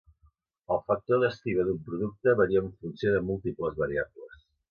El factor d'estiba d'un producte varia en funció de múltiples variables.